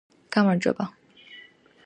გამარჯობა!